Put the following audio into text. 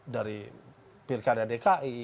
dari pirk dan dki